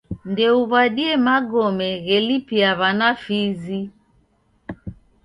Ndouw'adie magome ghelipia w'ana fizi.